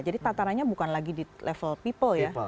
jadi tatarannya bukan lagi di level people ya